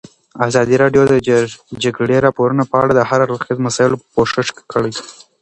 ازادي راډیو د د جګړې راپورونه په اړه د هر اړخیزو مسایلو پوښښ کړی.